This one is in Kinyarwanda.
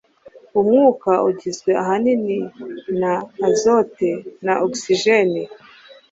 Umwuka ugizwe ahanini na azote na ogisijeni.